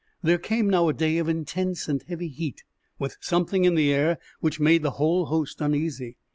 There came now a day of intense and heavy heat, with something in the air which made the whole host uneasy.